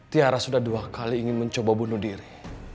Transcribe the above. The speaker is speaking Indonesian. tiara sudah dua kali ingin mencoba bunuh diri